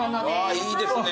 いいですね。